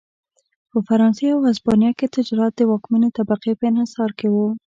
په فرانسې او هسپانیا کې تجارت د واکمنې طبقې په انحصار کې و.